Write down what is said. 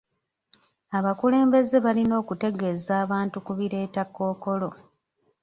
Abakulembeze balina okutegeeza abantu ku bireeta Kkookolo.